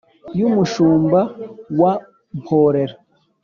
Y' umushumba wa Mporera